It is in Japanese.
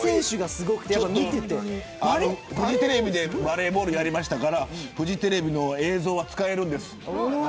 フジテレビでバレーボールやりましたからフジテレビの映像は使えるんです。